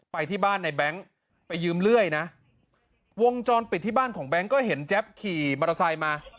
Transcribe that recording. ไปที่บ้านในแบงค์ไปยืมเลื่อยนะวงจรปิดที่บ้านของแบงค์ก็เห็นแจ๊บขี่มอเตอร์ไซค์มา